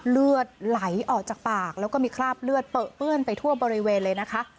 เลือดไหลออกจากปากแล้วก็มีคราบเลือดเปลือเปื้อนไปทั่วบริเวณเลยนะคะ